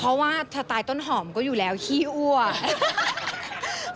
เพราะว่าสไตล์ต้นหอมก็อยู่แล้วขี้อ้วก